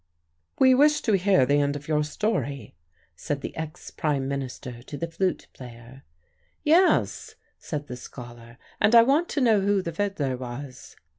"We wish to hear the end of your story," said the ex Prime Minister to the flute player. "Yes," said the scholar, "and I want to know who the fiddler was."